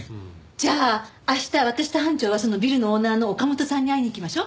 じゃあ明日私と班長はそのビルのオーナーの岡本さんに会いに行きましょう。